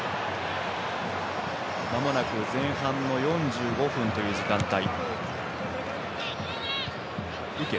まもなく前半の４５分という時間帯。